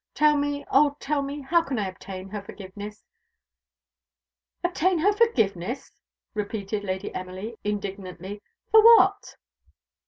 Tell me, oh tell me, how I can obtain her forgiveness!" "Obtain her forgiveness!" repeated Lady Emily indignantly, "for what?"